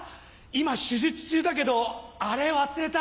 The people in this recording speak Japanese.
今手術中だけどアレ忘れた。